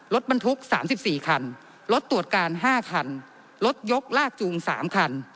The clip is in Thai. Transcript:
รถบรรทุก๓๔คันรถตรวจการ๕คันรถยกลากจูง๓คัน